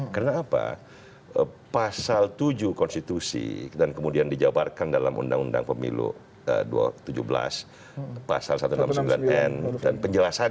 karena apa pasal tujuh konstitusi dan kemudian dijawabkan dalam undang undang pemilu dua ribu tujuh belas pasal satu ratus enam puluh sembilan n